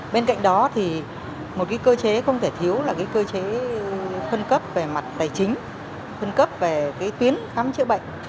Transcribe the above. bên cạnh đó thì một cơ chế không thể thiếu là cơ chế phân cấp về mặt tài chính phân cấp về tuyến khám chữa bệnh